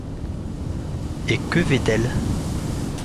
Et que vaid-elle ?